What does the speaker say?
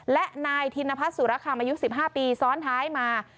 และนายธินพัฒนสุรคำอายุ๑๕ปีซ้อนท้ายมา